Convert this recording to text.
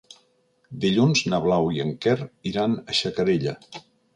Dilluns na Blau i en Quer iran a Xacarella.